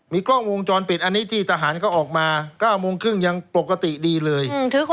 กล้องวงจรปิดอันนี้ที่ทหารเขาออกมา๙โมงครึ่งยังปกติดีเลย